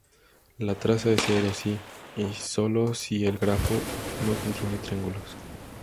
La traza es cero si y sólo si el grafo no contiene triángulos.